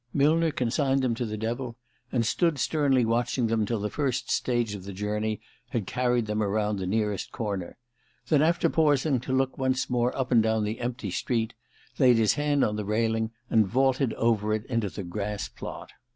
Millner consigned them to the devil, and stood sternly watching them till the first stage of the journey had carried them around the nearest corner; then, after pausing to look once more up and down the empty street, laid his hand on the railing, and vaulted over it into the grass plot.